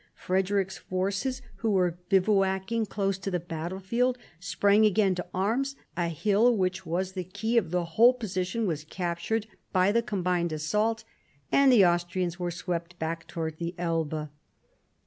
Frederick's forces, who were bivouacking 1760 63 THE SEVEN YEARS' WAR 171 close to the battlefield, sprang again to arms ; a hill, which was the key of the whole position, was captured by the combined assault, and the Austrians were swept back towards the Elbe.